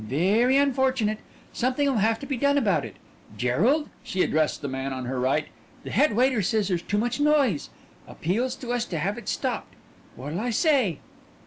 Very unfortunate. Something'll have to be done about it. Gerald" she addressed the man on her right "the head waiter says there's too much noise. Appeals to us to have it stopped. What'll I say?"